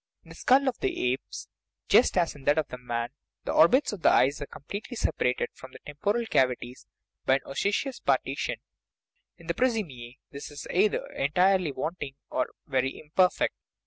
In the skull of the apes, just as in that of man, the orbits of the eyes are completely sepa rated from the temporal cavities by an osseous par tition; in the prosimiae this is either entirely want ing or very imperfect.